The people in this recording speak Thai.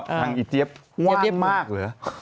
ทางอีเจี๊ยบว่างมากเหรอ